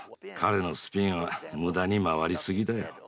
彼のスピンは無駄に回りすぎだよ。